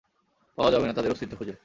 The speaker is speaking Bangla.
পাওয়া যাবে না তাদের অস্তিত্ব খুঁজে।